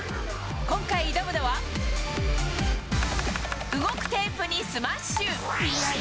今回挑むのは、動くテープにスマッシュ。